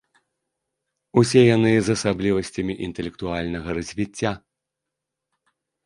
Усе яны з асаблівасцямі інтэлектуальнага развіцця.